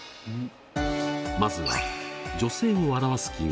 まずは女性を表す記号。